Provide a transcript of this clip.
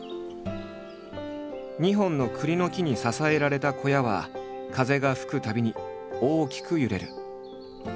２本の栗の木に支えられた小屋は風が吹くたびに大きく揺れる。